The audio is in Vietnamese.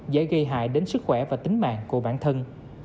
dễ gây hại đến sức khỏe và tính mạng của bản thân